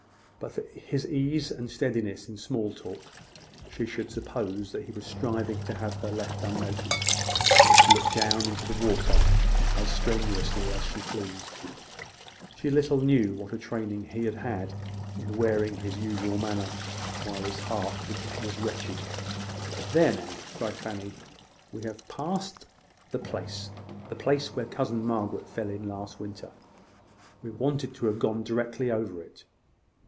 But for his ease and steadiness in small talk, she should suppose he was striving to have her left unnoticed, to look down into the water as strenuously as she pleased. She little knew what a training he had had in wearing his usual manner while his heart was wretched. "There, now!" cried Fanny, "we have passed the place the place where cousin Margaret fell in last winter. We wanted to have gone directly over it."